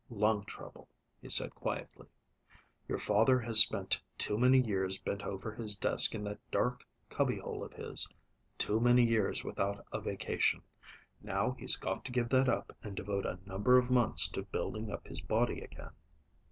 "Lung trouble," he said quietly. "Your father has spent too many years bent over his desk in that dark cubbyhole of his too many years without a vacation. Now he's got to give that up and devote a number of months to building up his body again."